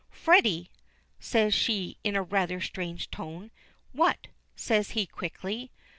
"Freddy!" says she in a rather strange tone. "What?" says he quickly.